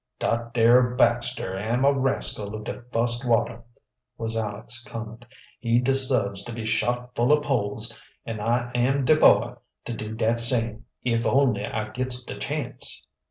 "Dat dar Baxter am a rascal of de fust water," was Aleck's comment. "He deserbes to be shot full ob holes, an' I am de boy to do dat same, if only I gets de chance."